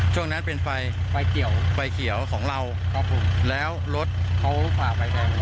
ช่วงนั้นเป็นไฟไฟเกี่ยวไฟเขียวของเราครับผมแล้วรถเขาฝ่าไฟแดง